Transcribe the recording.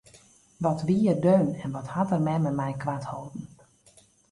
Wat wie er deun en wat hat er mem en my koart holden!